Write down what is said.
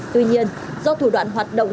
tuy nhiên do thủ đoạn hoạt động